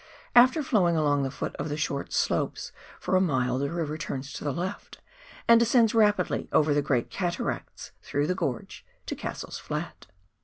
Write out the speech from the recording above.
After flowing along the foot of the short slopes for a mile, the river turns to the left, and descends rapidly over the great cataracts, through the gorge, to Cassell's Flat.